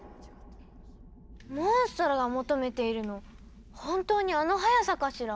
モンストロが求めているの本当にあの速さかしら？